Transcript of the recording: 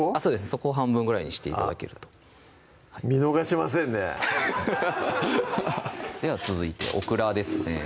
そこを半分ぐらいにして頂けると見逃しませんねでは続いてオクラですね